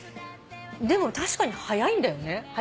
でも確かに速いんだよね。